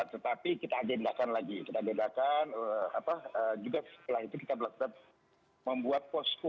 tetapi kita agendakan lagi kita agendakan apa juga setelah itu kita buat membuat posko